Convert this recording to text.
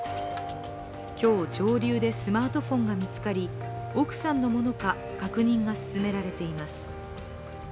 今日、上流でスマートフォンが見つかり奥さんのものか確認が進められています。